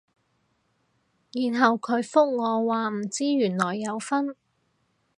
然後佢覆我話唔知原來有分